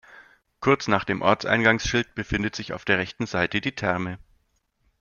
Kurz nach dem Ortseingangsschild befindet sich auf der rechten Seite die Therme.